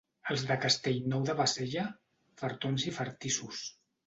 Els de Castellnou de Bassella, fartons i fartissos.